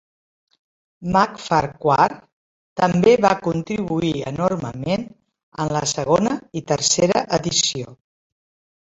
Macfarquhar també va contribuir enormement en la segona i tercera edició.